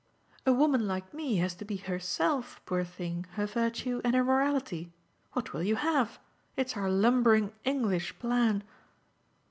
A woman like me has to be HERSELF, poor thing, her virtue and her morality. What will you have? It's our lumbering English plan."